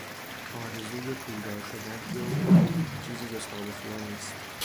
آرزوی پولدار شدن تو چیزی جز خواب و خیال نیست.